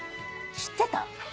知ってた？